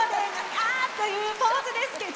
あー！というポーズですけど。